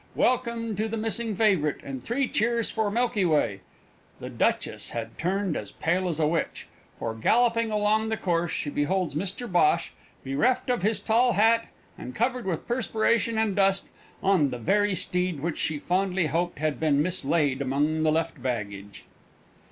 "Welcome to the missing favourite, and three cheers for Milky Way!" The Duchess had turned as pale as a witch, for, galloping along the course, she beholds Mr Bhosh, bereft of his tall hat and covered with perspiration and dust, on the very steed which she fondly hoped had been mislaid among the left luggage!